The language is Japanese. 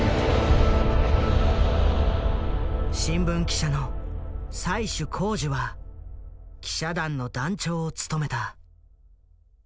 新聞記者の最首公司は記者団の団長を務めた。